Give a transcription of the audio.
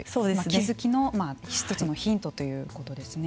気づきの１つのヒントということですね。